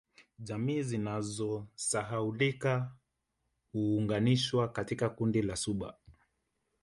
Jamii zinazosahaulika huunganishwa katika kundi la Suba